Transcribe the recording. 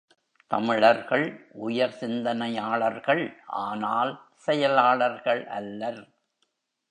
தமிழர்கள் உயர் சிந்தனையாளர்கள் ஆனால் செயலாளர்கள் அல்லர்.